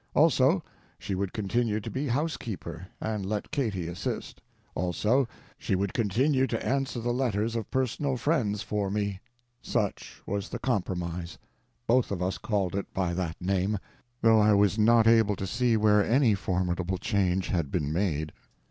Also, she would continue to be housekeeper, and let Katy assist. Also, she would continue to answer the letters of personal friends for me. Such was the compromise. Both of us called it by that name, though I was not able to see where any formidable change had been made.